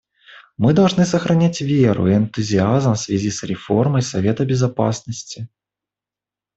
Мы должны сохранять веру и энтузиазм в связи с реформой Совета Безопасности.